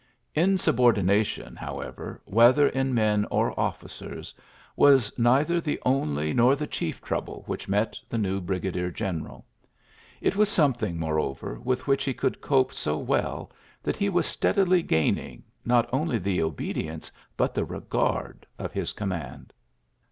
Lasubordination, however, whether in men or officers, was neither the only nor the chief trouble which met the new brigadier general. It was something, moreover, with which he could cope so well that he was steadily gaining^ not only the obedience, but the regard of his command.